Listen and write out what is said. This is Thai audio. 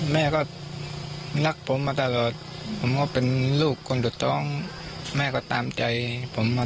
แม่ก็รักผมมาตลอดผมก็เป็นลูกคนสุดท้องแม่ก็ตามใจผมมา